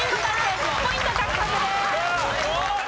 １０ポイント獲得です。